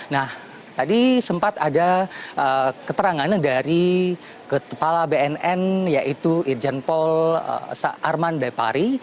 nah tadi sempat ada keterangan dari kepala bnn yaitu irjen pol arman depari